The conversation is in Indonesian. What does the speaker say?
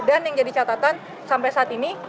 dan yang jadi catatan sampai saat ini